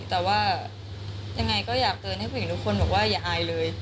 แต่ว่ายังไงก็อยากเตือนให้ผู้หญิงทุกคนบอกว่าอย่าอายเลย